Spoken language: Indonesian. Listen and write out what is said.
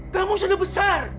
kamu sudah besar